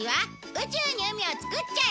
宇宙に海を作っちゃえ！